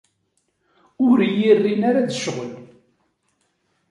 Ur yi-rrin ara d ccɣel.